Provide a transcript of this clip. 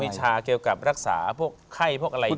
วิชาเกี่ยวกับรักษาพวกไข้พวกอะไรอย่างนี้